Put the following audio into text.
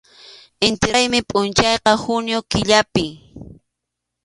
Inti raymi pʼunchawqa junio killapim.